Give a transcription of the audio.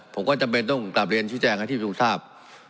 ผมก็จำเป็นต้องกลับเรียนชี้แจงให้ที่ประชุมทราบ